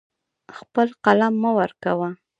خپل قلم مه ورکوه.